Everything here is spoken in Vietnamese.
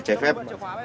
hỏi vợ xem